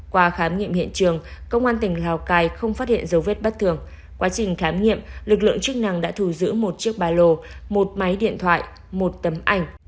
qua khám nghiệm hiện trường công an tỉnh lào cai không phát hiện dấu vết bất thường quá trình khám nghiệm lực lượng chức năng đã thù giữ một chiếc ba lô một máy điện thoại một tấm ảnh